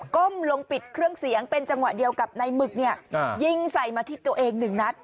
้มลงปิดเครื่องเสียงเป็นจังหวะเดียวกับนายหมึกเนี่ยยิงใส่มาที่ตัวเองหนึ่งนัด